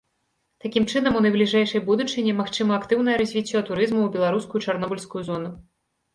Такім чынам, у найбліжэйшай будучыні магчыма актыўнае развіццё турызму ў беларускую чарнобыльскую зону.